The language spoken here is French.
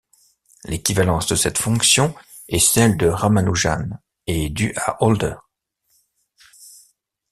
L'équivalence de cette fonction et celle de Ramanujan est due à Hölder.